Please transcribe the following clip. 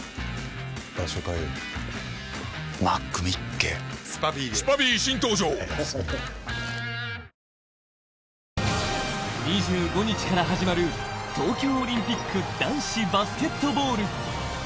クリエイタ２５日から始まる東京オリンピック男子バスケットボール。